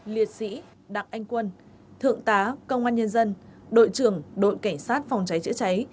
liệt sĩ đặng anh quân thượng tá công an nhân dân đội trưởng đội cảnh sát phòng cháy chữa cháy